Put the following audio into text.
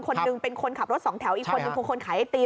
คนหนึ่งเป็นคนขับรถสองแถวอีกคนนึงคือคนขายไอติม